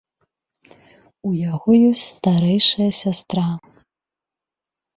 У яго ёсць старэйшая сястра.